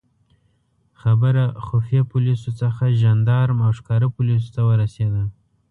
خبره خفیه پولیسو څخه ژندارم او ښکاره پولیسو ته ورسېده.